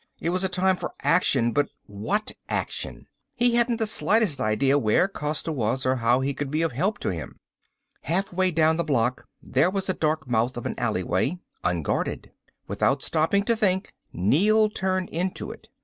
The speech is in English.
It was a time for action but what action? He hadn't the slightest idea where Costa was or how he could be of help to him. Halfway down the block there was a dark mouth of an alleyway unguarded. Without stopping to think, Neel turned into it.